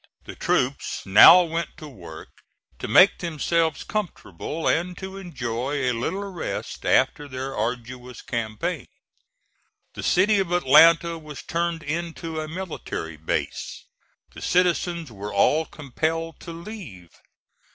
The troops now went to work to make themselves comfortable, and to enjoy a little rest after their arduous campaign. The city of Atlanta was turned into a military base. The citizens were all compelled to leave.